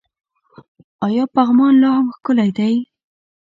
آیا پغمان لا هم ښکلی دی؟